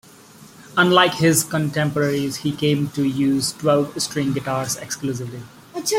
Unlike his contemporaries, he came to use twelve-string guitars exclusively.